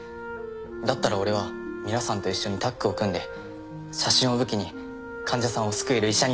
だったら俺は皆さんと一緒にタッグを組んで写真を武器に患者さんを救える医者になりたい。